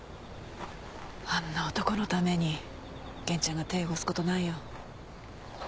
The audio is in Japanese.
あんな男のために源ちゃんが手汚す事ないよ。